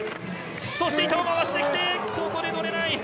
そして板を回してきてここで乗れない。